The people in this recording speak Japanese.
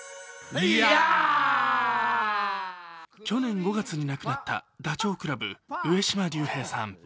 去年５月に亡くなったダチョウ倶楽部・上島竜兵さん。